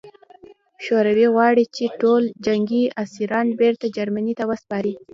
شوروي غواړي چې ټول جنګي اسیران بېرته جرمني ته وسپاري